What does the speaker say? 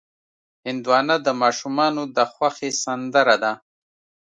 هندوانه د ماشومانو د خوښې سندره ده.